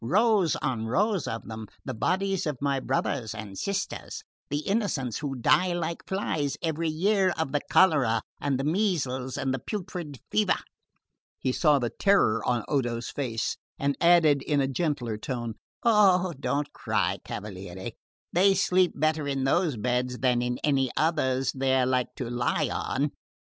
Rows and rows of them; the bodies of my brothers and sisters, the Innocents who die like flies every year of the cholera and the measles and the putrid fever." He saw the terror in Odo's face and added in a gentler tone: "Eh, don't cry, cavaliere; they sleep better in those beds than in any others they're like to lie on.